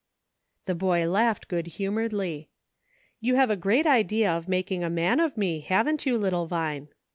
The boy laughed good humoredly. " You have a great idea of making a man of me, haven't you, little Vine